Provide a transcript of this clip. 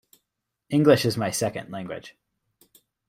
English is my second language.